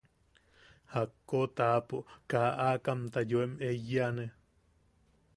–Jakko taʼapo kaa aakamta yoem eyane.